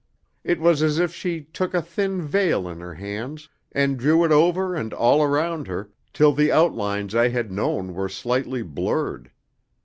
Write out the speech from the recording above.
It was as if she took a thin veil in her hands, and drew it over and all around her, till the outlines I had known were slightly blurred.